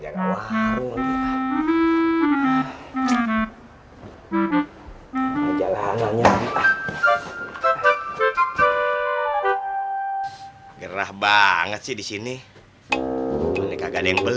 dadah aja lah kejaga warung